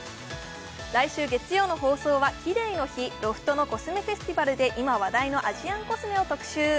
来週月曜の放送はキレイの日ロフトのコスメフェスティバルで今話題のアジアンコスメを特集